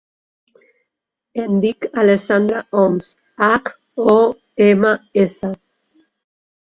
Em dic Alexandra Homs: hac, o, ema, essa.